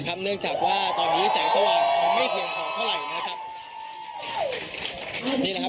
เนื่องจากว่าตอนนี้แสงสว่างไม่เพียงพอเท่าไหร่นะครับนี่แหละครับ